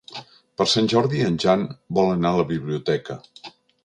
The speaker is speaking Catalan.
Per Sant Jordi en Jan vol anar a la biblioteca.